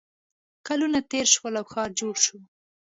کلونه تېر شول او ښار جوړ شو